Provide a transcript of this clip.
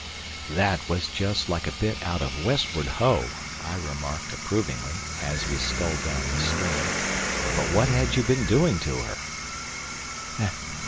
"That was just like a bit out of Westward Ho!" I remarked approvingly, as we sculled down the stream. "But what had you been doing to her?"